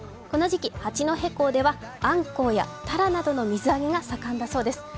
この時期、八戸港ではアンコウやタラなどの水揚げが盛んだそうです。